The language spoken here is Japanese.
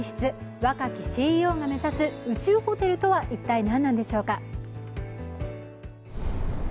若きＣＥＯが目指す宇宙ホテルとは一体何なんでしょうか。